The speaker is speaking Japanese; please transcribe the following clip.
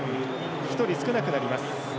１人少なくなります。